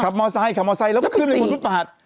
ขับมอสไซค์ขับมอสไซค์แล้วก็ขึ้นเป็นฝนทุบหาด